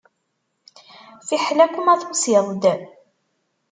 Fiḥel akk ma tusiḍ-d.